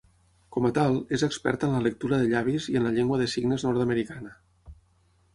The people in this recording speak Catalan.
Com a tal, és experta en la lectura de llavis i en la llengua de signes nord-americana.